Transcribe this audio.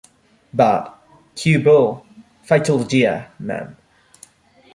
Bot., Kew Bull., Phytologia, Mem.